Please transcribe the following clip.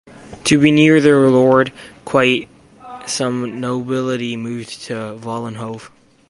To be near their lord, quite some nobility moved to Vollenhove.